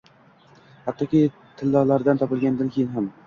Hattoki tillolarlar topilganidan keyin ham.